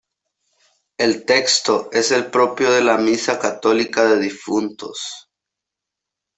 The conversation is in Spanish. El texto es el propio de la misa católica de difuntos.